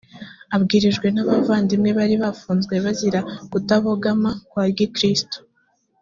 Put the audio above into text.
abwirijwe n abavandimwe bari bafunzwe bazira kutabogama kwa gikristo